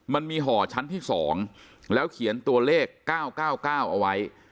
มันมีห่อชั้นที่๒แล้วเขียนตัวเลข๙๙๙เอาไว้